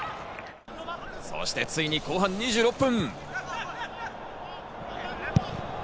そしてついに後半２６分。